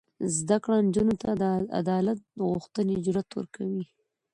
زده کړه نجونو ته د عدالت غوښتنې جرات ورکوي.